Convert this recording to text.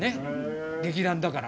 劇団だから。